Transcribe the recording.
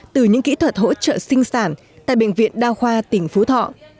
từ những kỹ thuật hỗ trợ sinh sản tại bệnh viện đa khoa tỉnh phú thọ